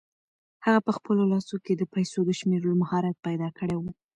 هغه په خپلو لاسو کې د پیسو د شمېرلو مهارت پیدا کړی و.